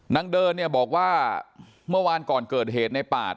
นางเดินเนี่ยบอกว่าเมื่อวานก่อนเกิดเหตุในปาด